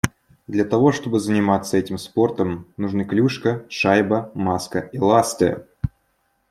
Для того, чтобы заниматься этим спортом нужны клюшка, шайба, маска и ласты.